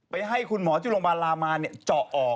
ให้คุณหมอที่โรงพยาบาลลามาเจาะออก